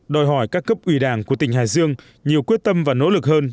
đòi hỏi các cấp ủy đảng của tỉnh hải dương nhiều quyết tâm và nỗ lực hơn